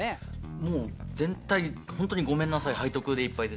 もう全体ホントにごめんなさい。